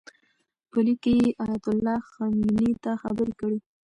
په لیک کې یې ایتالله خمیني ته خبرې کړي.